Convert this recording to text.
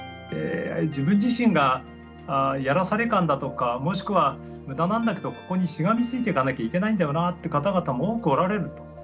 自分自身がやらされ感だとかもしくは無駄なんだけどここにしがみついてかなきゃいけないんだよなって方々も多くおられると。